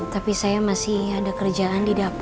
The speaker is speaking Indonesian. tapi saya masih ada kerjaan di dapur